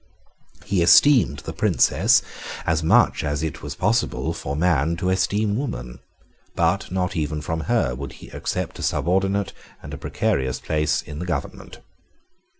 He esteemed the Princess as much as it was possible for man to esteem woman: but not even from her would he accept a subordinate and a precarious place in the government.